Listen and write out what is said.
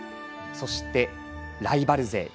そして、ライバル勢。